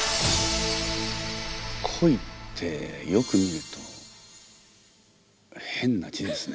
恋ってよく見ると変な字ですね。